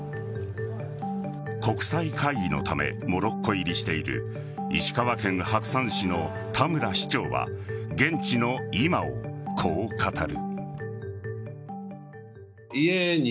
国際会議のためモロッコ入りしている石川県白山市の田村市長は現地の今をこう語る。